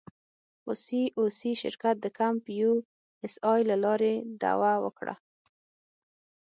خو سي او سي شرکت د کمپ یو اس اې له لارې دعوه وکړه.